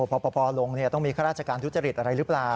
พอลงต้องมีข้าราชการทุจริตอะไรหรือเปล่า